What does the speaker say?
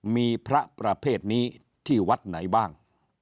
มีพระประเภทนี้ที่วัดไหนบ้าง